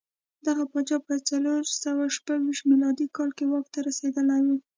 دغه پاچا په څلور سوه شپږ ویشت میلادي کال کې واک ته رسېدلی و.